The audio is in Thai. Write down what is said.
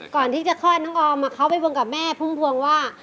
ก่อนที่จะคลอดน้องออมเขาไปพวงกับแม่พุ่มพวงว่า